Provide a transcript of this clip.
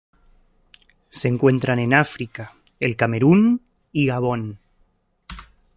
Se encuentran en África: el Camerún y Gabón.